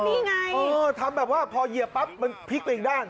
นี่ไงเออทำแบบว่าพอเหยียบปั๊บมันพลิกไปอีกด้าน